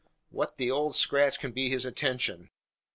What the old Scratch can be his intention?